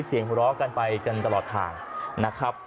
เสียงหัวเราะกันไปกันตลอดทางนะครับ